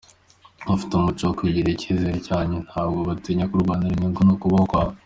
Bafite umuco wo Kwigirira icyizere kandi ntabwo batinya kurwanira inyungu no kubaho kwabo.